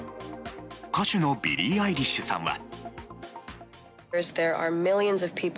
歌手のビリー・アイリッシュさんは。